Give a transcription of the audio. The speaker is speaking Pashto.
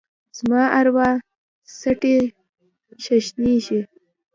زما اروا څټي ششنیږې